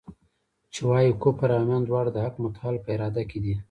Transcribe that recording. چي وايي کفر او ایمان دواړه د حق متعال په اراده کي دي.